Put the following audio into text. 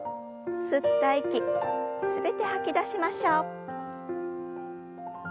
吸った息全て吐き出しましょう。